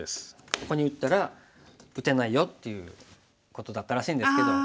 ここに打ったら「打てないよ」っていうことだったらしいんですけど。